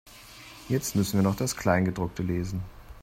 Jetzt müssen wir noch das Kleingedruckte lesen.